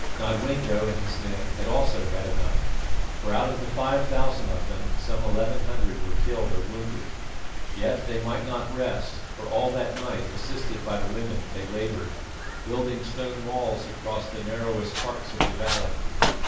Nodwengo and his men had also had enough, for out of the five thousand of them some eleven hundred were killed or wounded. Yet they might not rest, for all that night, assisted by the women, they laboured, building stone walls across the narrowest parts of the valley.